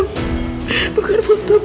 ini terlalu banyak